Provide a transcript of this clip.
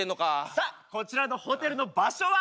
さあこちらのホテルの場所は。